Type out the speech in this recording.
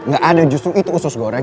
gak ada justru itu usus goreng